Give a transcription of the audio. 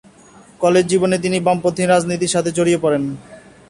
College জীবনে তিনি বামপন্থী রাজনীতির সাথে জড়িয়ে পড়েন।